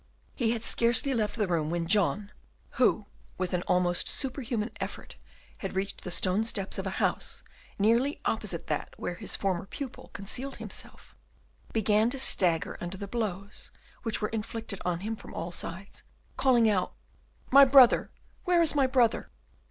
He had scarcely left the room, when John who, with an almost superhuman effort, had reached the stone steps of a house nearly opposite that where his former pupil concealed himself began to stagger under the blows which were inflicted on him from all sides, calling out, "My brother! where is my brother?"